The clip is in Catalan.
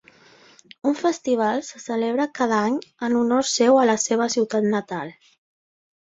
Un festival se celebra cada any en honor seu a la seva ciutat natal.